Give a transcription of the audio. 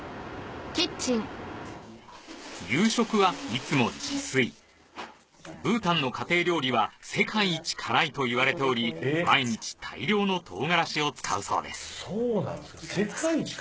夕食はいつも自炊ブータンの家庭料理は世界一辛いと言われており毎日大量の唐辛子を使うそうです